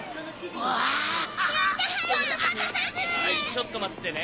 ちょっと待ってね